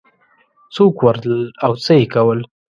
څوک ورتلل او څه یې کول